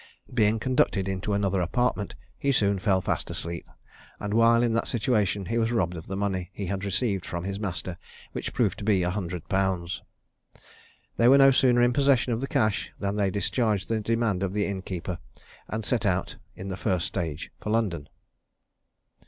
Being conducted into another apartment, he soon fell fast asleep, and, while in that situation, he was robbed of the money he had received from his master, which proved to be a hundred pounds. They were no sooner in possession of the cash, than they discharged the demand of the inn keeper, and set out in the first stage for London.